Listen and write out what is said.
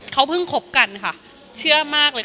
เขาเพิ่งคบกันค่ะเชื่อมากเลยค่ะ